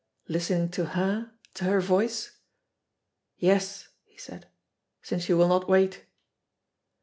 Listening to her, to her voice ! "Yes," he said ; "since you will not wait."